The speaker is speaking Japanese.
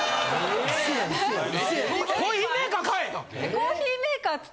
コーヒーメーカー買え！